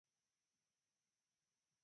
Kial ungek, sukaruk ago machanik